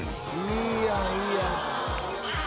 いいやんいいやん。